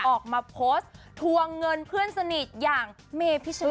ออกมาโพสต์ทวงเงินเพื่อนสนิทอย่างเมพิช